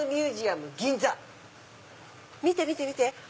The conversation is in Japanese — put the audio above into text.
見て見て見て！